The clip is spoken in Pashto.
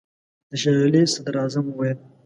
د شېر علي صدراعظم وویل.